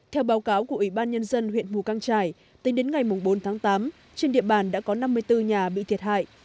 theo báo cáo của ủy ban nhân dân huyện mù căng trải tính đến ngày bốn tháng tám trên địa bàn đã có năm mươi bốn nhà bị thiệt hại